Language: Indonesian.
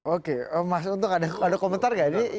oke mas untuk ada komentar nggak